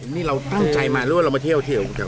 นี่เราตั้งใจมาหรือว่าเรามาเที่ยวเที่ยว